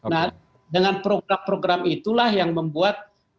nah dengan program program itulah yang membuat